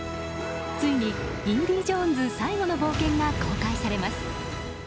ついに「インディ・ジョーンズ」最後の冒険が公開されます。